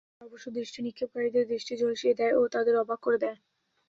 তারা অবশ্য দৃষ্টি নিক্ষেপকারীদের দৃষ্টি ঝলসিয়ে দেয় ও তাদের অবাক করে দেয়।